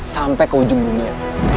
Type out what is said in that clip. sampai ke ujung dunia